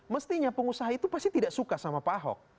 mestinya pengusaha itu pasti tidak suka sama pak ahok